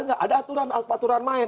ada aturan aturan lain